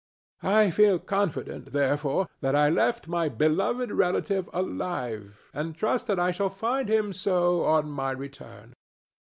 I feel confident, therefore, that I left my beloved relative alive, and trust that I shall find him so on my return."